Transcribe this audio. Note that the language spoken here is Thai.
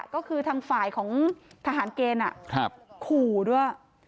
ก็คือทางฝ่ายของทหารเกณฑ์ขู่ด้วย